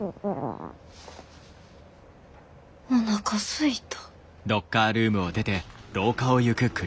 おなかすいた。